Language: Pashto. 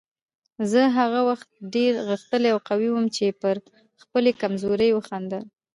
زه هغه وخت ډېر غښتلی او قوي وم چې پر خپلې کمزورۍ وخندل.